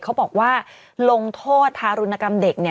เขาบอกว่าลงโทษทารุณกรรมเด็ก